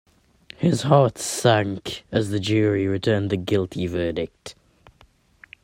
His heart sank as the jury returned a guilty verdict.